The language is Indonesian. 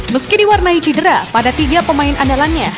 meski diwarnai cedera pada tiga pemain andalannya